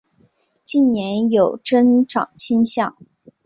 近年有增长倾向。